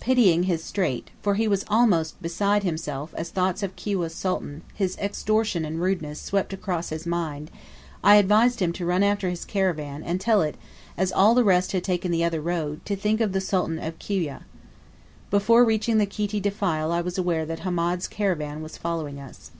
Pitying his strait for he was almost beside himself as thoughts of Kiwyeh's sultan, his extortion and rudeness, swept across his mind I advised him to run after his caravan, and tell it, as all the rest had taken the other road, to think of the Sultan of Kiwyeh. Before reaching the Kiti defile I was aware that Hamed's caravan was following us.